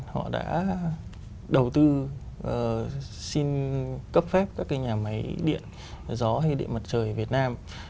họ đã đầu tư xin cấp phép các cái nhà máy điện gió hay điện mặt trời việt nam